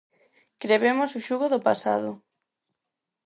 Crebemos o xugo do pasado.